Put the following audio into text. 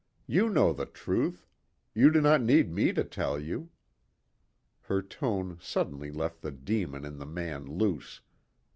"You know the truth. You do not need me to tell you." Her tone suddenly let the demon in the man loose.